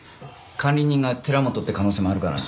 管理人が寺本って可能性もあるからな。